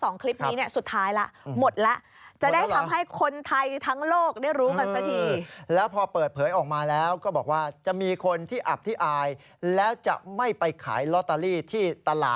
น้าอัญชริย์บอกว่า๒คลิปนี้เนี่ยสุดท้ายล่ะหมดละ